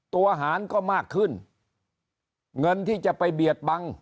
หารก็มากขึ้นเงินที่จะไปเบียดบัง